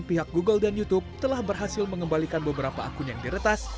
pihak google dan youtube telah berhasil mengembalikan beberapa akun yang diretas